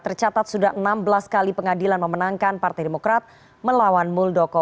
tercatat sudah enam belas kali pengadilan memenangkan partai demokrat melawan muldoko